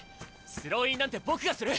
スローインなんて僕がする！